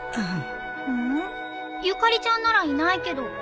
ううん。ゆかりちゃんならいないけど。